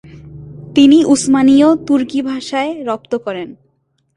তিনি উসমানীয় তুর্কি ভাষায় রপ্ত করেন।